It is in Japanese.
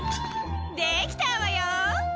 できたわよー。